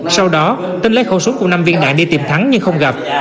sau đó tinh lấy khẩu súng cùng năm viên đạn đi tìm thắng nhưng không gặp